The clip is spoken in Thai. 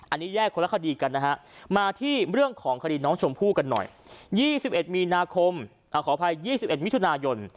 อันนี้แยกคนละคดีกันนะฮะมาที่เรื่องของคดีน้องชมพู่กันหน่อย๒๑มีนาคมขออภัย๒๑มิถุนายน